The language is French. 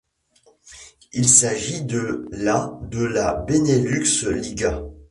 Il s’agit de la de la Benelux liga.